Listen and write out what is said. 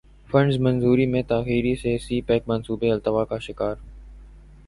funds منظوری میں تاخیر سے سی پیک منصوبے التوا کا شکار